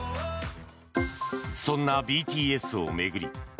そんなＢＴＳを巡り